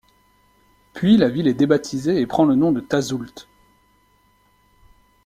Puis la ville est débaptisée et prend le nom de Tazoult.